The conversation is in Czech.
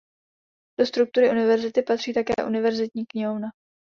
Do struktury univerzity patří také Univerzitní knihovna.